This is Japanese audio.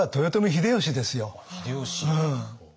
秀吉。